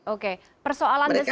oke persoalan besar juga